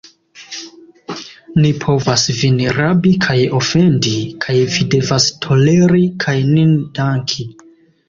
Ni povas vin rabi kaj ofendi, kaj vi devas toleri kaj nin danki.